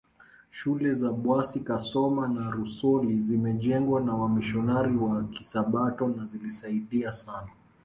Shule za Bwasi Kasoma na Rusoli zimejengwa na wamisionari wa Kisabato na zilisaidia sana